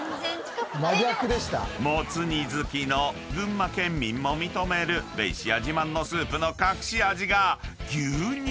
［もつ煮好きの群馬県民も認めるベイシア自慢のスープの隠し味が牛乳！］